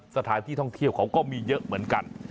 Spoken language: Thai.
สถานที่ท่องเที่ยวเขาก็มีเยอะเหมือนกัน